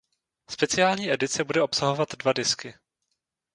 Speciální edice bude obsahovat dva disky.